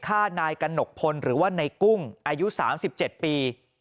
ฆ่านายกระหนกพลหรือว่าในกุ้งอายุ๓๗ปี